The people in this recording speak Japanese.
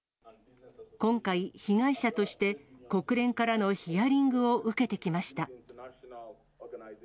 今回、被害者として国連からのヒアリングを受けてきました。